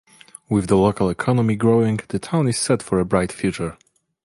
With the local economy growing, the town is set for a bright future.